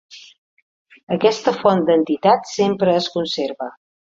Aquesta font d'entitat sempre es conserva.